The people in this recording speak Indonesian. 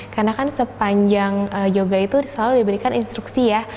karena kan sepanjang yoga itu selalu diberikan instruksi ya